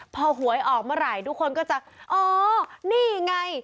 พอหวยออกเมื่อไหร่ทุกคนก็จะอ๋อนี่ไง